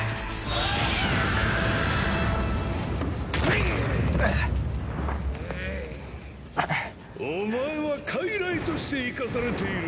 お前は傀儡として生かされているに過ぎない。